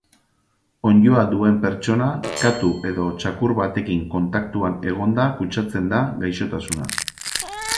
Onddoa duen pertsona, katu edo txakur batekin kontaktuan egonda kutsatzen da gaixotasuna.